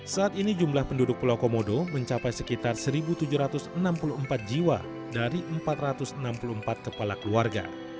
saat ini jumlah penduduk pulau komodo mencapai sekitar satu tujuh ratus enam puluh empat jiwa dari empat ratus enam puluh empat kepala keluarga